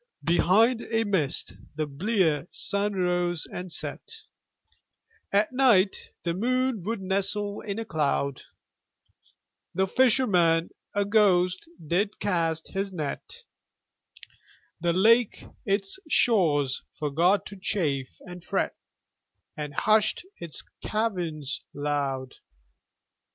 Behind a mist the blear sun rose and set, At night the moon would nestle in a cloud; The fisherman, a ghost, did cast his net; The lake its shores forgot to chafe and fret, And hushed its caverns loud.